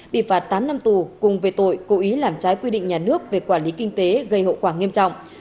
bị phạt tám năm tù cùng về tội cố ý làm trái quy định nhà nước về quản lý kinh tế gây hậu quả nghiêm trọng